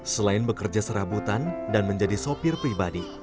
selain bekerja serabutan dan menjadi sopir pribadi